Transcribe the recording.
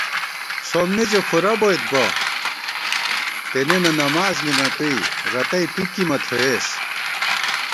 سوّمی زی فُورہ بوئیت بہ، تېنېنہ نماڅ نِمَتُوئی، رتئ تُو کی مہ تھوئېس